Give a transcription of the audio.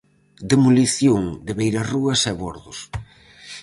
Demolición de beirarrúas e bordos.